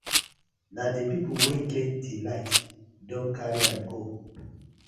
Na di pipus wey get di light don karry am go.